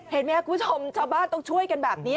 เห็นไหมครับคุณผู้ชมชาวบ้านต้องช่วยกันแบบนี้